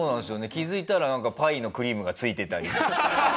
気づいたらパイのクリームが付いてたり。